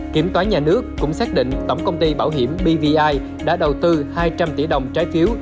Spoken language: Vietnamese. kiểm toán nhà nước cũng xác định tổng công ty bảo hiểm bvi đã đầu tư hai trăm linh tỷ đồng trái phiếu